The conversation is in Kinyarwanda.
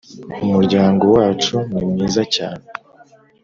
umuryango wacu ni mwiza cyane